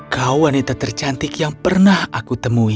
kau wanita tercantik yang pernah aku temui